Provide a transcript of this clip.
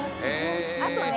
あとね。